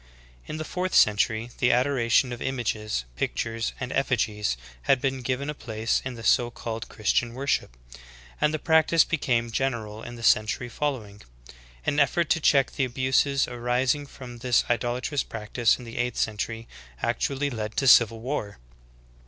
( 7. In the fourth century the adoration of images, pic tures, and effigies, had been given a place in the so called Christian worship; and the practice became general in the century following. An effort to check the abuses arising from this idolatrous practice in the eighth century, actually led to civil war.'